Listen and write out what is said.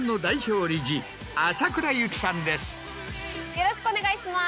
よろしくお願いします。